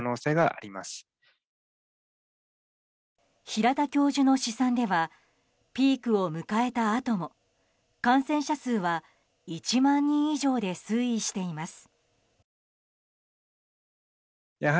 平田教授の試算ではピークを迎えたあとも感染者数は１万人以上で推移しています。